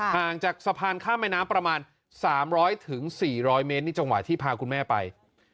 ห่างจากสะพานข้ามแม่น้ำประมาณ๓๐๐๔๐๐เมตรนี่จังหวะที่พาคุณแม่ไป